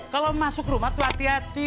kalau masuk rumah tuh hati hati